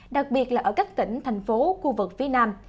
đặc biệt là ở các tỉnh thành phố khu vực phía nam